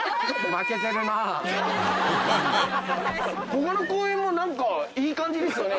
ここの公園も何かいい感じですよね。